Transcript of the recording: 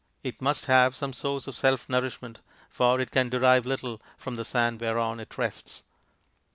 It must have some source of self nourishment, for it can derive little from the sand whereon it rests.